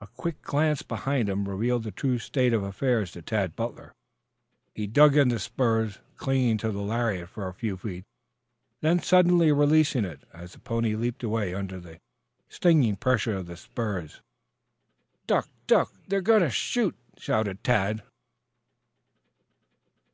A quick glance behind him, revealed the true state of affairs to Tad Butler. He dug in the spurs, clinging to the lariat for a few feet, then suddenly releasing it, as the pony leaped away under the stinging pressure of the spurs. "Duck! Duck! They're going to shoot!" shouted Tad.